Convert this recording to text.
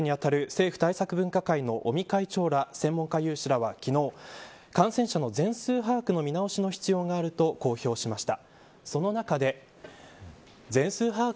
そんな中、新型コロナ対策に当たる政府対策分科会の尾身会長ら専門家有志らは昨日、感染者の全数把握の見直しの必要があると公表しました。